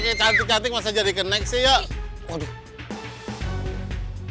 kayak cantik cantik masa jadi kenek sih yuk